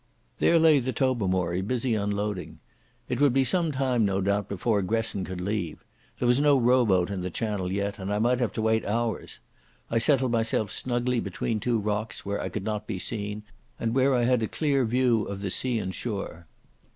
There lay the Tobermory busy unloading. It would be some time, no doubt, before Gresson could leave. There was no row boat in the channel yet, and I might have to wait hours. I settled myself snugly between two rocks, where I could not be seen, and where I had a clear view of the sea and shore.